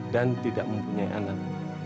dan tidak mempunyai anak